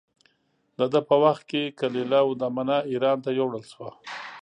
د ده په وخت کې کلیله و دمنه اېران ته یووړل شوه.